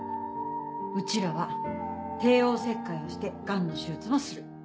うちらは帝王切開をしてガンの手術もする。